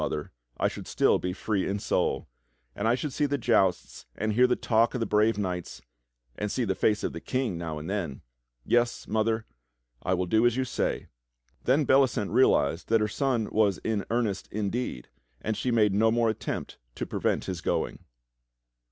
Mother, I should still be free in soul; and I should see the jousts and hear the talk of the brave knights, and see the face of the King now and then. Yes, Mother, I will do as you say." Then Bellicent realized that her son was in earnest indeed, and she made no more attempt to prevent his going.